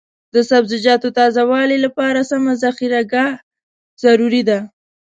د سبزیجاتو تازه والي لپاره سمه ذخیره ګاه ضروري ده.